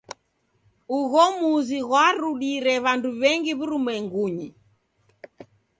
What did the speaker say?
Ugho muzi ghwarudire w'andu w'engi w'urumwengunyi.